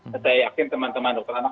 saya yakin teman teman dokter anak